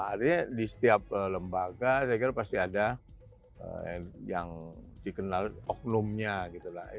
artinya di setiap lembaga saya kira pasti ada yang dikenal oknumnya gitu lah